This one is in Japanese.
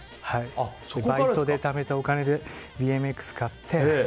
バイトでためたお金でＢＭＸ買って。